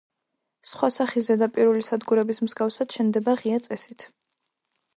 სხვა სახის ზედაპირული სადგურების მსგავსად, შენდება ღია წესით.